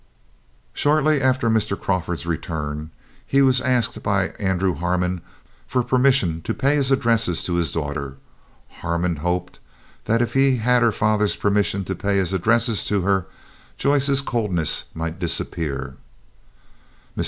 Shortly after Mr. Crawford's return he was asked by Andrew Harmon for permission to pay his addresses to his daughter. Harmon hoped that if he had her father's permission to pay his addresses to her, Joyce's coldness might disappear. Mr.